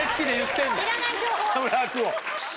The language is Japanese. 北村君を。